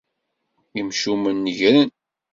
Imcumen negren.